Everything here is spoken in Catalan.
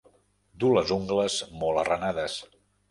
Dur les ungles molt arranades.